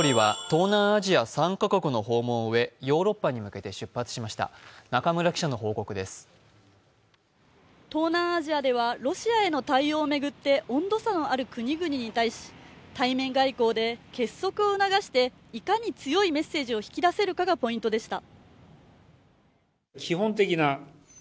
東南アジアではロシアへの対応を巡って温度差のあの国々に対し対面外交で結束を促していかに強いメッセージを引き出せるかがポイントでした。